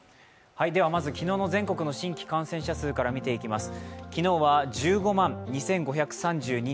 ではまず昨日の全国の新規感染者数から見ていきます。